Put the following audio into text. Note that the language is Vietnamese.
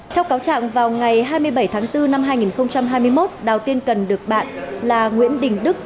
theo cáo trạng vào ngày hai mươi bảy tháng bốn năm hai nghìn hai mươi một đào tiên cần được bạn là nguyễn đình đức